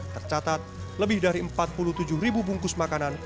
tercatat lebih dari empat puluh tujuh ribu bungkus makanan